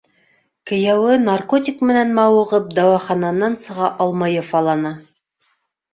Кейәүе наркотик менән мауығып дауахананан сыға алмай яфалана.